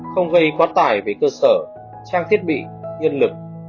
không gây quá tải về cơ sở trang thiết bị nhân lực